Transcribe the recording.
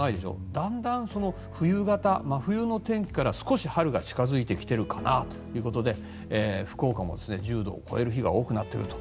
だんだん冬型、真冬の天気から少し春が近付いてきているかなということで福岡も１０度を超える日が多くなっていると。